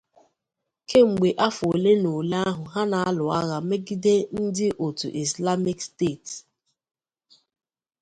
kemgbe afọ ole n’ole ahụ ha na-alụ agha megide ndị otu izlamik steeti.